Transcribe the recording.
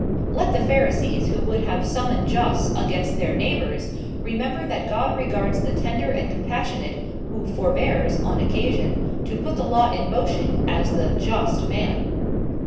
Let the Pharisees who would have summum jus against their neighbours, remember that God regards the tender and compassionate, who forbears, on occasion, to put the law in motion, as the just man.